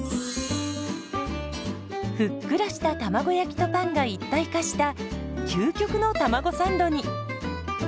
ふっくらした卵焼きとパンが一体化した究極のたまごサンドに。